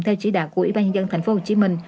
theo chỉ đạo của ủy ban nhân dân tp hcm